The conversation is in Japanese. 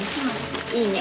いいね。